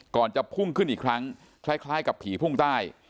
จะพุ่งขึ้นอีกครั้งคล้ายกับผีพุ่งใต้